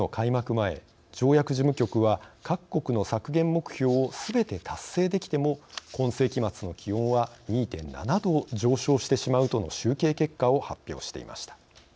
前条約事務局は各国の削減目標をすべて達成できても今世紀末の気温は２．７℃上昇してしまうとの集計結果を発表していました。